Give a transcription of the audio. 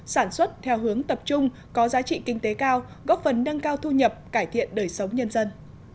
sản xuất theo hướng tập trung có giá trị kinh tế cao góp phần nâng cao thu nhập cải thiện đời sống nhân dân